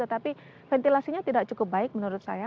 tetapi ventilasinya tidak cukup baik menurut saya